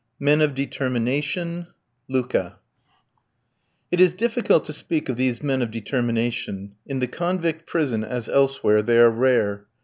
MEN OF DETERMINATION LUKA It is difficult to speak of these men of determination. In the convict prison, as elsewhere, they are rare.